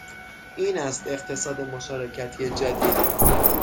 این است اقتصاد مشارکتی جدید